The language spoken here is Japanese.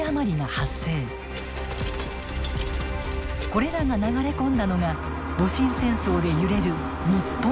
これらが流れ込んだのが戊辰戦争で揺れる日本だったのです。